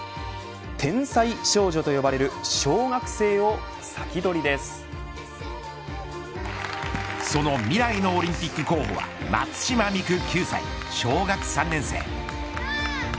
天才少女と呼ばれる小学生をその未来のオリンピック候補は松島美空、９歳、小学３年生。